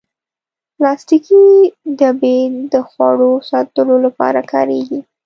پلاستيکي ډبې د خواړو ساتلو لپاره کارېږي.